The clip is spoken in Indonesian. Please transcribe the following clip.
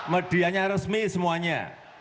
medianya resmi semuanya